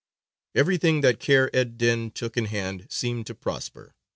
Everything that Kheyr ed dīn took in hand seemed to prosper.